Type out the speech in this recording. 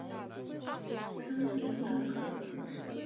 康比阿克。